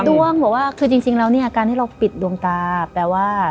ดวงบอกว่าคือจริงแล้วเนี่ยการที่เราปิดดวงตาแปลว่า